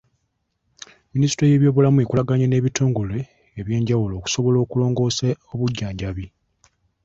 Minisitule y'ebyobulamu ekolaganye n'ebitongole eby'enjawulo okusobola okulongoosa obujjanjabi.